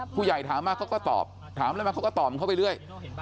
ผู้ใหญ่ถามมาเขาก็ตอบถามอะไรมาเขาก็ตอบเขาไปเรื่อย